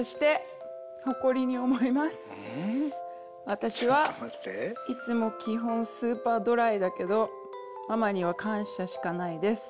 私はいつも基本スーパードライだけどママには感謝しかないです。